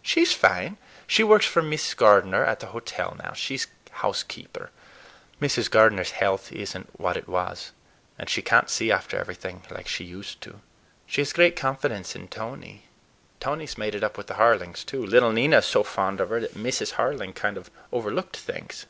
"She's fine. She works for Mrs. Gardener at the hotel now. She's housekeeper. Mrs. Gardener's health is n't what it was, and she can't see after everything like she used to. She has great confidence in Tony. Tony's made it up with the Harlings, too. Little Nina is so fond of her that Mrs. Harling kind of overlooked things."